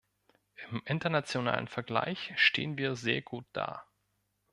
Im internationalen Vergleich stehen wir sehr gut da.